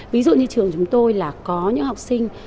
ví dụ như trường chúng tôi là có những học sinh